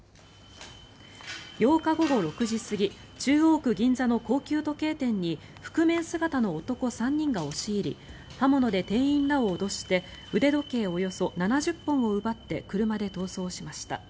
８日午後６時過ぎ中央区銀座の高級時計店に覆面姿の男３人が押し入り刃物で店員らを脅して腕時計およそ７０本を奪って車で逃走しました。